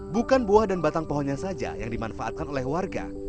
bukan buah dan batang pohonnya saja yang dimanfaatkan oleh warga